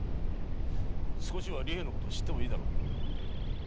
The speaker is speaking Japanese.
少しは利平のこと知ってもいいだろう。